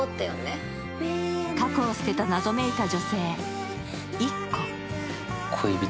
過去を捨てた謎めいた女性イッコ。